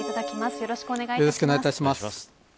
よろしくお願いします。